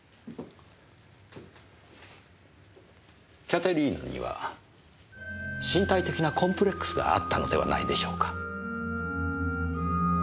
キャテリーヌには身体的なコンプレックスがあったのではないでしょうか。